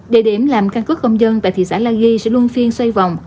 địa điểm làm căn cứ công dân tại thị xã la ghi sẽ luôn phiên xoay vòng